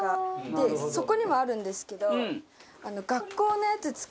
でそこにもあるんですけど。